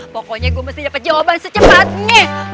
pokoknya gua mesti dapet jawaban secepatnya